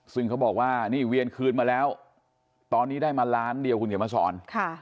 ซึ่งเขาบอกว่านี่เวียนคืนมาแล้วตอนนี้ได้มาล้านเดียวคุณเขียนมาสอน